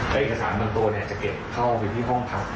และเอกสารบางตัวจะเก็บเข้าไปที่ห้องพัก